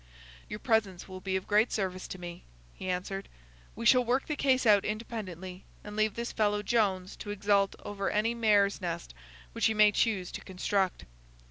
"Your presence will be of great service to me," he answered. "We shall work the case out independently, and leave this fellow Jones to exult over any mare's nest which he may choose to construct.